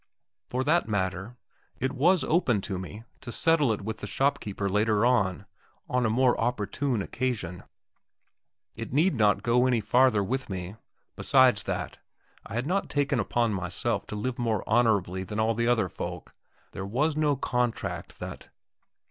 For that matter, it was open to me to settle it with the shopkeeper later on, on a more opportune occasion. It need not go any farther with me. Besides that, I had not taken upon myself to live more honourably than all the other folk; there was no contract that....